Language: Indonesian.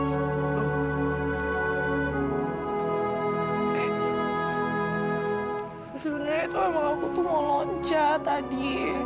sebenarnya itu emang aku tuh mau loncat tadi